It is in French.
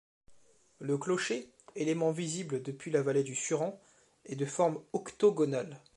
Le clocher, élément visible depuis la vallée du Suran, est de forme octogonale.